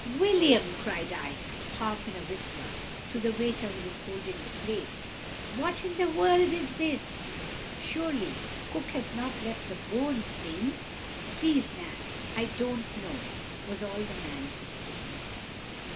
"'William,' cried I, half in a whisper, to the waiter who was holding the plate, 'what in the world is this? Surely Cook has not left the bones in?' "'Please, ma'am, I don't know,' was all the man could say.